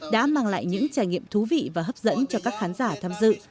đã mang lại những trải nghiệm thú vị và hấp dẫn cho các khán giả tham dự